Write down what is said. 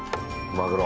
マグロ。